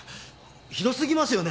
ひどすぎますよね。